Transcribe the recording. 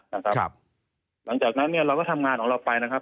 หลังจากนั้นเนี่ยเราก็ทำงานของเราไปนะครับ